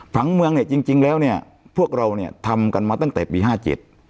ผังเมืองเนี่ยจริงจริงแล้วเนี่ยพวกเราเนี่ยทำกันมาตั้งแต่ปีห้าเจ็ด